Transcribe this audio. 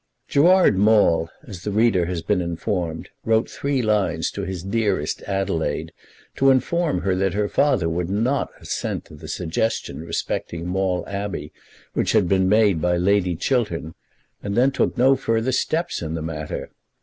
Gerard Maule, as the reader has been informed, wrote three lines to his dearest Adelaide to inform her that his father would not assent to the suggestion respecting Maule Abbey which had been made by Lady Chiltern, and then took no further steps in the matter.